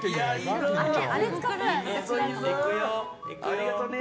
ありがとうね。